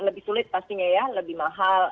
lebih sulit pastinya ya lebih mahal